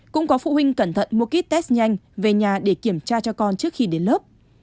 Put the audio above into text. cũng có phụ huynh cẩn thận mua kích test nhanh về nhà để kiểm tra cho con trước khi đến lớp